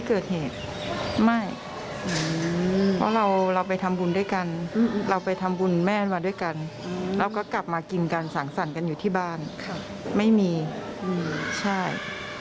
แสดงว่าทุกอย่างที่พี่ท่านหาอ้างก็คือเป็นคำก่าอ้างทั้งหมดใช่